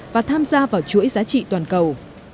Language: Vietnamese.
và tham gia vào chuỗi giá trị toàn cầu